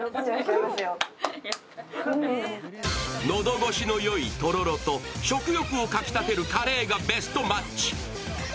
喉越しのよいとろろと、食欲をかきたてるカレーがベストマッチ。